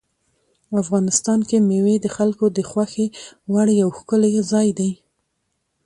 افغانستان کې مېوې د خلکو د خوښې وړ یو ښکلی ځای دی.